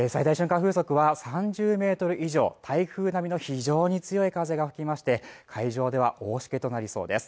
風速は３０メートル以上台風並みの非常に強い風が吹きまして海上では大しけとなりそうです